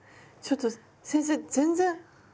ちょっと先生全然。